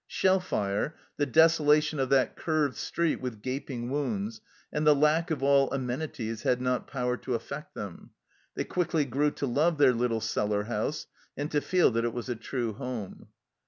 Shell fire, the desolation of that curved street with gaping wounds, and the lack of all amenities, had not power to affect them. They quickly grew to love their little cellar house, and to feel that it was a true home.